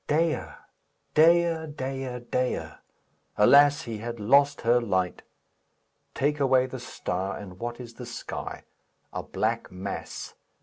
Dea! Dea! Dea! Dea! Alas! he had lost her light. Take away the star, and what is the sky? A black mass.